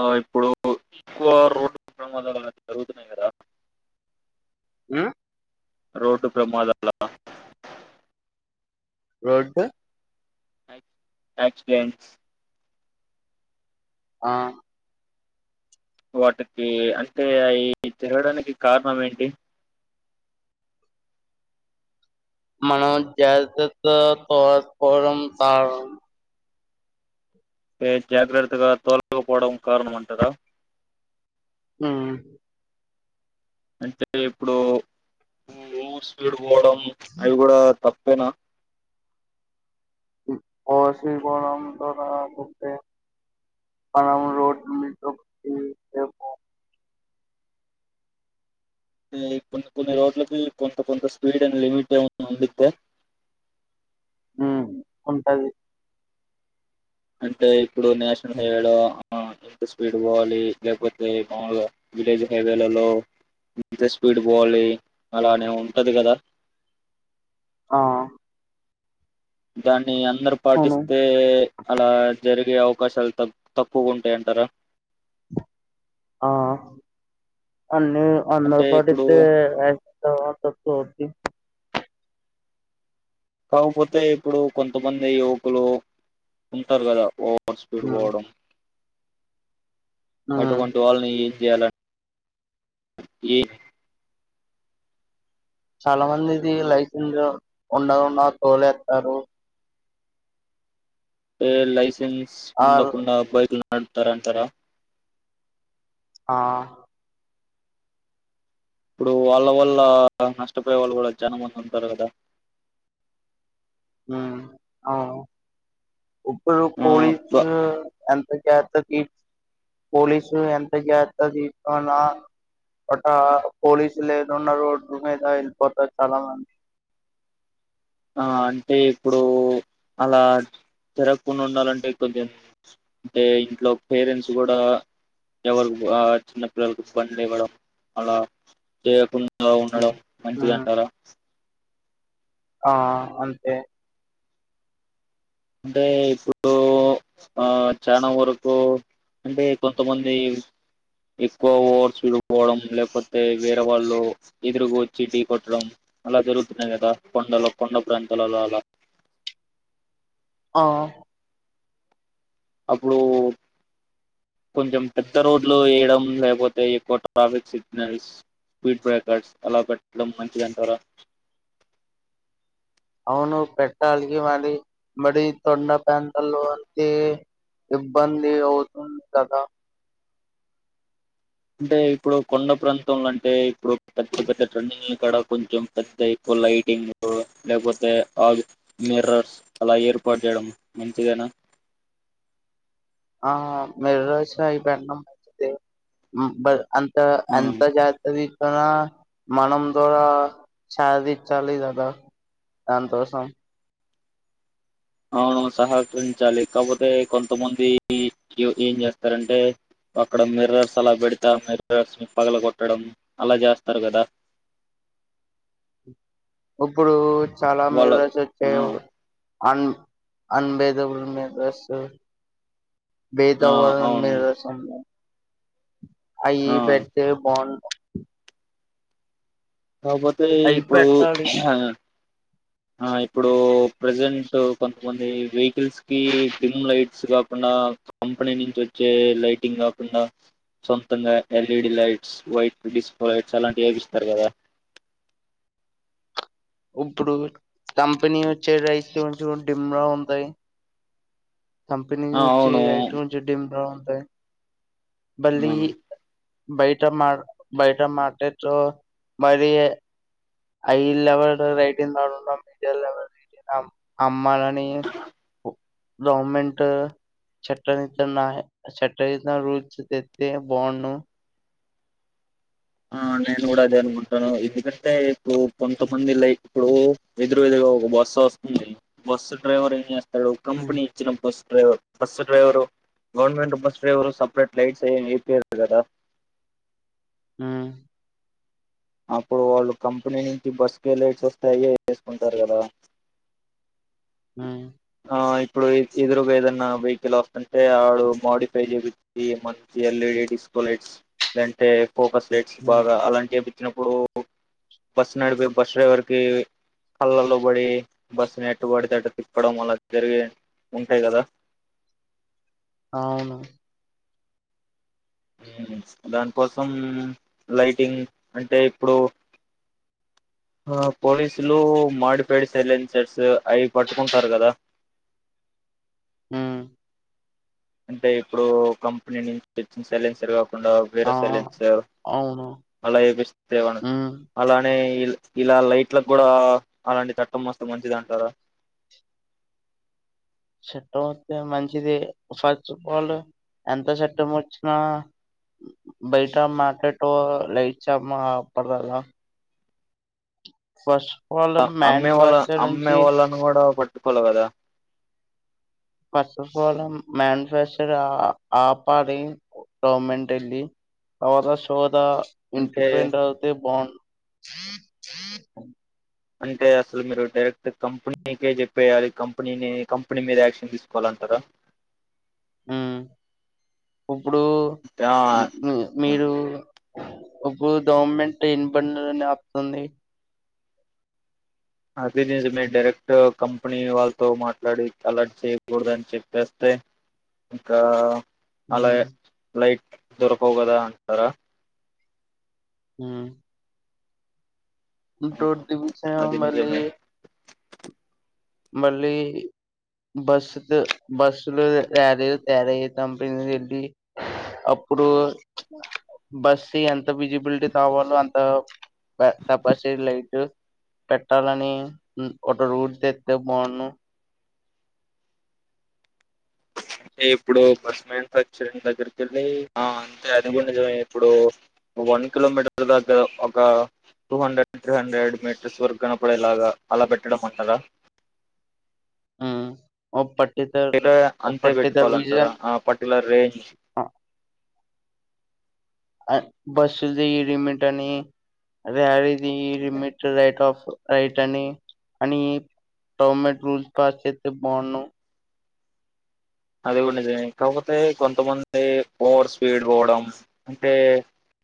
ఆ ఇప్పుడు ఎక్కువ రోడ్లు ప్రమాదాలు జరుగుతున్నాయి కదా ఉమ్ రోడ్ ప్రమాదాల రోడ్డ్ యాక్సిడెంట్స్ ఆ వాటికి అంటే అవి తిరగాడానికి కారణం ఏంటి మనం జాగ్రత్తతో తోలక పోవడం కారణం జాగ్రత్తగా తోలకపోవడం కారణం అంటారా ఆ అంటే ఇప్పుడు ఓవర్ స్పీడ్ పోవడం అవి కూడా తప్పు పైనా కో శ్ర గం త రా గుతే [unintelligible] మనమ్ రోడ్ మీద పోయెటప్పు కొన్ని కొన్ని రోడ్లకి కొంత కొంత స్పీడ్ అండ్ లిమిట్ ఏ ఉందిడితే ఉ ఉంటది అంటే ఇప్పుడు నేషనల్ హైవే లో ఆ ఎంత స్పీడ్ పోవాలి లేకపోతే మావులుగా విలేజ్ హైవేలలో ఇంత స్పీడ్ పోవాలి అలానే ఉంటది కదా ఆ దాన్ని అందరు అవును పాటిస్తే అలా జరిగే అవకాశాలు తక్ తక్కువ ఉంటాయంటారా ఆ అన్ని అందరు అంటే ఇప్పుడు పాటితే యాక్సిడెన్ తక్కువ అవుతాయి కాకపోతే ఇప్పుడు కొంతమంది యువకులు ఉంటారు కదా ఓ స్పీడ్ ఉ పోవడం ఉ అటువంటి వాళ్ళని ఏం చేయాల చాలా మందిది లైసెన్స్ ఉండకుండా తోలేస్తారు లైసెన్స్ ఆర్ ఉండకుండ బైక్లు నడుపుతార అంటారా ఆ ఇప్పుడు వాళ్ళ వల్ళ నష్టపోయే వాళ్ళు కూడా చాలా మంది ఉంటారు కదా ఇప్పుడు ఆ పోలీస్ బ ఎంత చే తీ పోలీసు ఎంత జాగ్రత తీసుకున్న హఠా పోలీసులేనున్న రోడ్ మీద పోతారు చాలమంది [inaudible] ఆ అంటే ఇప్పుడు అలా జరగకుండా ఉండాలంటే కొంచెం అంటే ఇంట్లో పేరెంట్స్ కూడా ఎవరుకు ఆ చిన్న పిల్లలకు బండి ఇవ్వడం అలా చేయకుం డా ఉండడం మంచిది ఉమ్ అంటారా ఆ అంతే అంటే ఇప్పుడు ఆ చానా వరకు అంటే కొంతమంది ఎక్కువ ఓవర్ స్పీడ్ బోవడం లేకపోతే వేరే వాళ్ళు ఎదురుగా వచ్చి డీ కొట్టడం అలా జరుగుతున్నాయి గదా కొండలో కొండ ప్రాంతాలలో అలా ఆ అప్పుడు కొంచెం పెద్ద రోడ్లు వేయడం లేకపోతే ఎక్కువ ట్రాఫిక్ సిగ్నల్స్ స్పీడ్ బ్రేకర్స్ అలా పెట్టడం మంచిదంటారా [inaudible] అవును పెట్టాలికి మరి మరి తొండ ప్రాంతాల్లో అయితే ఇబ్బంది అవుతుంది కదా అంటే ఇప్పుడు కొండ ప్రాంతంలో అంటే ఇప్పుడు పెద్ద పెద్ద ట్రన్నింగ్ ల కాడా కొంచెం పెద్ద ఎ లైటింగు లేకపోతే ఆగు మిర్రర్స్ అలా ఏర్పాటు జేయడం మంచిదేనా [inaudible] ఆ మిర్రర్స్ అవి పెడ్డం మంచిదే మ్ బర్ అంత ఆ అంత జాగ్రత్తది తన మనం దార చది చాలి దాదా సంతోషం అవును సహకరించాలి కాపోతే కొంతమంది ఏం జేస్తారంటే అక్కడ మిర్రర్స్ అలా బెడతా ఆ మిర్రర్స్ ని పగల గొట్టడం అలా జేస్తారు గదా [inaudible] ఇబ్బుడు చాలా వాళ్ళ మిర్రర్స్ అయితే ఆ అన్ అన్భేదబుల్ మిర్రర్సు ఆ బేతావరం అవును మీరు రసం అయి ఆ పెడితే బాగు కాపోతే అయి ఇప్పుడు పెట్టాలి ఆ ఆ ఇప్పుడు ప్రజెంటు కొంతమంది వెయ్ కిల్స్ కి డిమ్ లైట్స్ గాకుండా ఆ కంపెనీ నుంచి వచ్చే లైటింగ్ గాకుండా సొంతంగా ఎల్ఈడీ లైట్స్ వైట్ డిస్ప్ లైట్స్ అలాంటివి ఏపిస్తారు గదా [inaudible] ఉంపుడు కంపెనీ వచ్చే రైటు కొంచెం డిమ్ముగా ఉంటాయ్ కంపెనీ ఆ నుంచి అవును రైట్ నుంచి డిమ్ గా ఉంటాయ్ ఆ బళ్ళీ బైటా మాడు బైటా మాటేటులో మరి ఏ హై లెవెల్ రైటింగ్ దడున్నా మీడియర్ లెవెల్ ర అమ్మలని వు గౌమెంటు చట్ట నిత్నాయే చట్ట ఇతున్న రూల్ దతే బాగుండు ను [inaudible] ఆ నేను గూడా అదే అనుకుంటాను ఎందుకంటే ఇప్పుడు కొంతమందిలై ఇప్పుడు ఎదురు ఎదురుగా ఒక బాస్ స్సు వస్తుంది బస్సు డ్రైవర్ ఏం జెస్తాడు హ్మ్. కంపెనీ ఇచ్చిన bus driver bus driver government bus driver separate లైట్సేమి ఏపియ్యరు గదా [inaudible] అ అప్పుడు వాళ్ళు కంపెనీ నుంచి బస్ కే లైట్స్ వొస్తే అయ్యే ఏసుకుంటారు గదా ఊ ఆ ఇప్పుడు ఇచ్చి ఎదురుగా ఏదైనా వెఇకిల్ వస్తుంటే వాడు మోడిఫై జేపించి మంచి ఎల్ఈడి ఏ డిస్కో లైట్స్ లేదంటే ఫోకస్ లైట్స్ హ్మ్. బాగా అలాంటివి ఏపిచ్చినప్పుడు బస్ నడిపే బస్ డ్రైవర్కి కళ్ళల్లో పడి బస్సుని ఎట్టబడితే అట్ట తిప్పడం అలా జరిగి ఉంటాయి కదా అవును. మ్. దానికోసం లైటింగ్ అంటే ఇప్పుడు ఆ పోలీసులు మాడీఫైడ్ సైలెంసర్స్ అయి పట్టుకుంటారు కదా హ్మ్. అంటే ఇప్పుడు కంపెనీ నుంచి తెచ్చిన సైలెన్సర్ కాకు ండా వేరే ఆ! సైలెన్సర్ అవును. అలా ఏపిస్తేన హ్మ్. అలానే ఇలా లైట్లకు కూడా అలాంటి చట్టం మస్తు మంచిదంటారు. [unintelligible] చట్టం వస్తే మంచిది ఫస్ట్ ఆఫ్ ఆల్ ఎంత చట్టం వచ్చినా బయట మార్కెటు లేైచ్చమాప్పటిదాక ఫస్ట్ ఆఫ్ ఆల్ అ అమ్మే వాళ్ళ మాన్యుఫ్యాక్చర్ అమ్మే నుంచి వాళ్ళను కూడా పట్టుకోల్ల కదా ఫస్ట్ ఆఫాల్ మ్యానుఫాక్చర్ ఆ ఆపాలి. గవర్నమెంట్ అండి. పవర సో తా అంటే నేన్చెప్పియిన రోజే బాండ్ అంటే అసలు మీరు డైరెక్ట్ కంపెనీకే చెప్పేయాలి. కంపెనినే కంపెనీ మీదే యాక్షన్ తీసుకోవాల కదా [unintelligible] హ్మ్. ఇప్పుడు యా మ్ అప్పుడు గవర్నమెంట్ ఎన్ని బండులని ఆపుతుంది. అది నిజమే డైరెక్ట్ కంపెనీ వాళ్ళతో మాట్లాడి అలర్ట్ చేయకూడదని చెప్పేస్తే స్తే ఇంకా అలా లైట్ దొరకవు కదా అంటార మ్. డోర్ దీవిచ్చిన అది మళ్ళీ నిజమే. మళ్ళీ బస్సుతో బస్సులో ర్యాలీలు తయారయ్యే కంపిని వెళ్ళి అప్పుడు బస్ది ఎంత విజిబిలిటీ కావాలో అంత పై తపాసి లైట్ పెట్టాలని మ్ ఒక రూల్ తేత్ త్తే బాండ్ను. అంటే ఇప్పుడు బస్ మ్యానుఫాక్చరింగ్ దగ్గరికెళ్ళి ఆ అంటే అదిగుడ నిజమే ఇప్పుడు వన్ కిలోమీటర్ దాకా ఒక two hundred three hundred metres వరకు కనపడేలాగా అలా పెట్టడమంటరా ఆ ఓ పట్ ట్టిత లేదా ఓ అంతే పట్టిత పెట్టుకోవాలంటారా? విజన్ ఆ పర్టిక్యులర్ రేంజ్ అ అ బస్స్ ది లిమిటని అదే అది లిమిట్ రయిట్ ఆఫ్ రయిటని అని గవర్నమెంట్ రూల్స్ క్రాస్ చేస్తే బాన్ను అది కూడా నిజమే కాకపోతే కొంతమంది ఓవర్ స్పీడ్ పోవడం అంటే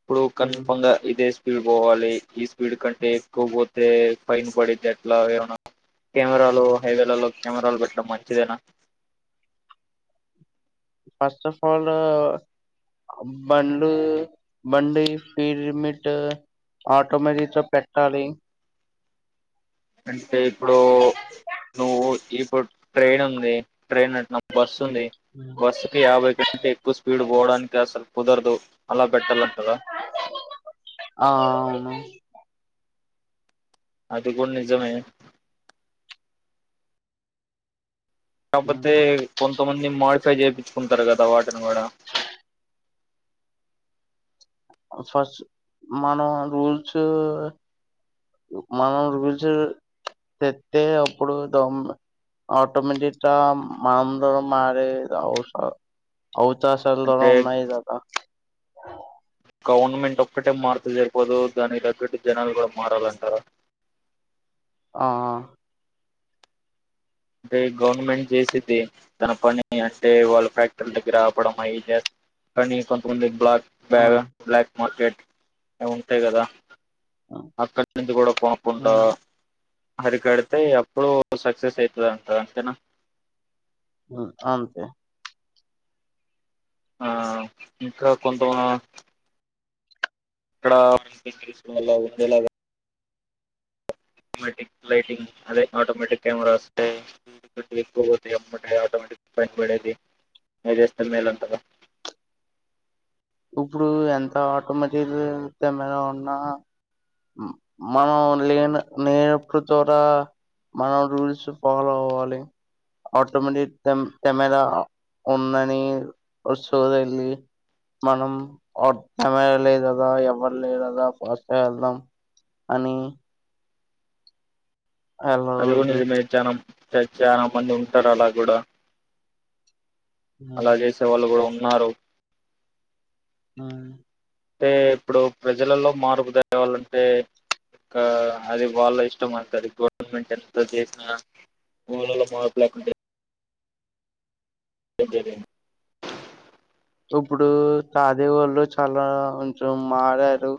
ఇప్పుడు కంఫర్మ్గా ఇదే స్పీడ్ పోవాలి. ఈ స్పీడ్ కంటే ఎక్కువ పోతే ఫైన్ పడితట్లా ఏమనా కెమెరాలు హైవేలలో కెమెరాలు పెట్టడం మంచిదేనా ఫస్ట్ ఆఫ్ ఆలు బంండ్లు బండి స్పీడ్ లిమిట్ ఆటోమేటిక్తో పెట్టాలి. అంటే ఇప్పుడు నువ్వు ఇప్పుడు ట్రైన్ ఉంది. ట్రైన్ అట్ బస్సు ఉంది బస్సు క యాభై గంటే ఎక్కువ స్పీడ్ పోడానికి అసలు కుదరదు అలా పెట్టాలంటారా ఆ అవును. అది కూడ్ నిజమే. కాకపోతే కొంత మంద్. మాడిఫై చేయించుకుంటారు కదా వాటిని కూడా ఫస్ట్ మనం రూల్స్ మనం రుచి తెత్తే అప్పుడు దమ్ అటోమేటిక్ మనంద మారేఔస చశలు అంటే దరంన్నా జదా గవర్నమెంట్ ఒక్కటే మారుతలు జరిపోదు దానికి తగ్గట్టు జనాలు కూడా మారాలంటారా ఆ అంటే గవర్నమెంట్ చేసిది తన పని అంటే వాళ్ళ ఫ్యాక్టరీ దగ్గర రావడం అయ కానీ కొంతమంది బ్లాక్ బ్యాగ ఆ బ్లాక్ మార్కెట్ ఉంటాయి కదా హ్మ్ అక్కడి నుంచి కూడా పోకుండా అరికడితే అప్పుడు సక్సెస్ అయి సంత అంతేనా అంతే ఆ ఇంకా కొంత అక్కడలా ఆటోమేటిక్ లైటింగ్ అదే ఆటోమేటిక్ కెమెరాస్ ఎక్కువది అమ్ ఆటోమేటిక్ పని పడేది అదేస్త మేల అంతార ఇప్పుడు ఎంత ఆటోమటిక్ కెమెరా ఉన్నా మన నినిపృతరా మనం రూల్స్ పోలో పోవాలి ఆటోమేటిక్ కెమెరా ఉందని చో మనంమెరా లేదు కదా ఎవరు లేదు కదా ఫస్ట్ వెళ్దాం అని అదిలో వెళ్ళకూడదు నిజమే చాల చ చాలా మంది ఉంటారు అలా కూడా అలా చేసే వాళ్ళు కూడా ఉన్నారు ఆ అంటే ఇప్పుడు ప్రజలలో మార్పు తేవాలంటే ఇకా అది వాళ్ళ ఇష్టం అంటతుంది గవర్నమెంట్ ఎంతో చేసినా వా మపులాకుంట సజ ఇప్పుడు తాదేవాళ్ళు చాలా కొంచం థ్యాంక్ మారారు యూ